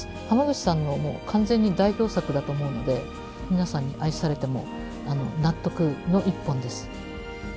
濱口さんの完全に代表作だと思うので皆さんに愛されても納得の一本です。